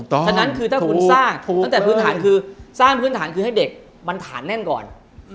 ถ้านั้นคือถ้าคุณสร้างพื้นฐานคือให้เด็กมันถานแน่นก่อน